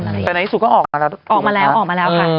แต่ที่สุดก็ออกมาแล้วเอง